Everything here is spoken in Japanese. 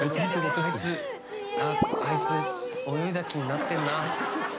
あいつ泳いだ気になってるな。